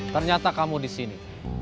ternyata kamu disini